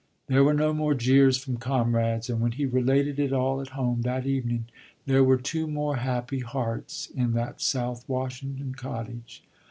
There were no more jeers from his comrades, and when he related it all at home that evening there were two more happy hearts in that South Washington cottage.